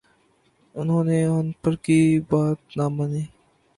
انہوں نے اَن پڑھ کی بات نہ مانی